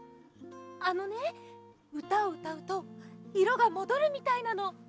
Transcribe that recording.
あのねうたをうたうといろがもどるみたいなの。